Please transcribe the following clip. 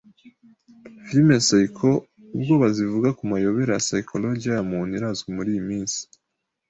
Filime za psycho-ubwoba zivuga ku mayobera ya psychologiya ya muntu irazwi muriyi minsi.